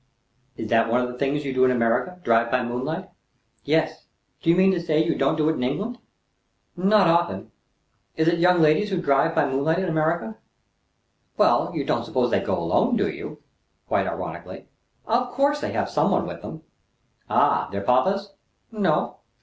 "Is that one of the things you do in America drive by moonlight?" "Yes. Do you mean to say you don't do it in England?" "Not often. Is it young ladies who drive by moonlight in America?" "Well, you don't suppose they go alone, do you?" quite ironically. "Of course they have some one with them." "Ah! Their papas?" "No."